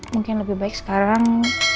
mungkin lebih baik sekarang